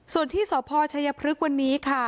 ส่วนที่สพชัยพฤกษ์วันนี้ค่ะ